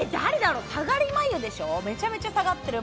下がり眉でしょ？